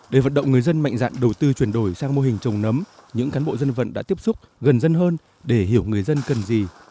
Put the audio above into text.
để vận động người dân mạnh dạn đầu tư chuyển đổi sang mô hình trồng nấm những cán bộ dân vận đã tiếp xúc gần dân hơn để hiểu người dân cần gì